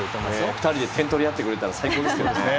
２人で点を取ってくれたら最高ですけどね。